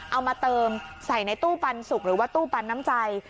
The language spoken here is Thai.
เอามาเติมใส่ในตู้ปันสุกหรือว่าตู้ปันน้ำใจ